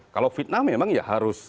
kalau fitnah memang ya harus